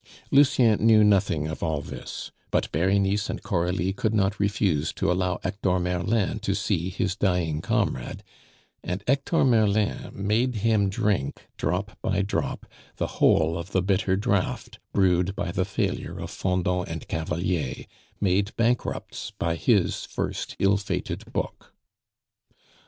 Lucien knew nothing of all this, but Berenice and Coralie could not refuse to allow Hector Merlin to see his dying comrade, and Hector Merlin made him drink, drop by drop, the whole of the bitter draught brewed by the failure of Fendant and Cavalier, made bankrupts by his first ill fated book.